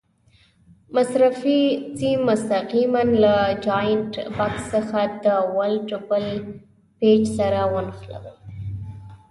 صفري سیم مستقیماً له جاینټ بکس څخه د ولډر بل پېچ سره ونښلوئ.